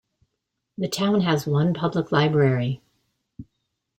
The town has one public library.